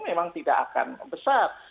memang tidak akan besar